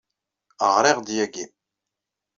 Ɣriɣ-d yagi.